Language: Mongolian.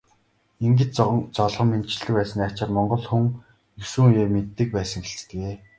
Ингэж золгон мэндчилдэг байсны ачаар монгол хүн есөн үеэ мэддэг байсан гэлцдэг.